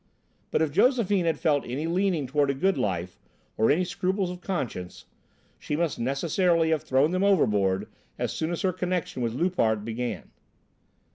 But if Josephine had felt any leaning toward a good life, or any scruples of conscience, she must necessarily have thrown them overboard as soon as her connection with Loupart began.